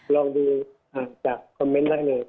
ลองดูจากคอมเมนต์ได้ไหม